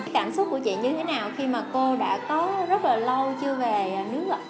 cảm xúc của chị như thế nào khi mà cô đã có rất là lâu chưa về nước ạ